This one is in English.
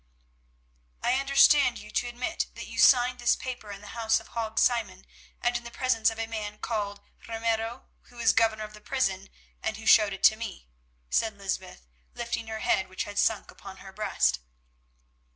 "I understand you to admit that you signed this paper in the house of Hague Simon, and in the presence of a man called Ramiro, who is Governor of the prison, and who showed it to me," said Lysbeth, lifting her head which had sunk upon her breast.